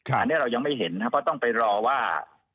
อันนี้เรายังไม่เห็นนะครับเพราะต้องไปรอว่า